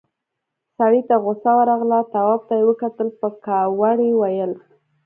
سړي ته غوسه ورغله، تواب ته يې وکتل، په کاوړ يې وويل: